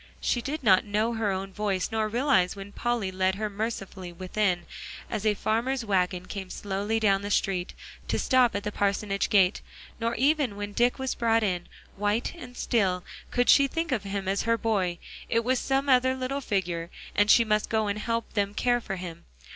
She did not know her own voice, nor realize when Polly led her mercifully within, as a farmer's wagon came slowly down the street, to stop at the parsonage gate; nor even when Dick was brought in, white and still, could she think of him as her boy. It was some other little figure, and she must go and help them care for him.